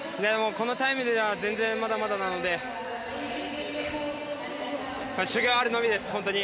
このタイムでは全然まだまだなので修業あるのみです。